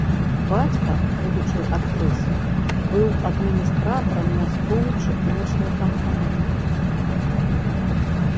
Бацька будучай актрысы быў адміністратарам мясцовай чыгуначнай кампаніі.